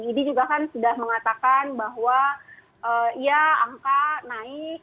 idi juga kan sudah mengatakan bahwa ya angka naik